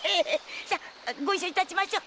さあご一緒いたしましょう。